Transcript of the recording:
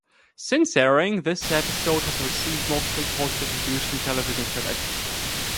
Since airing, the episode has received mostly positive reviews from television critics.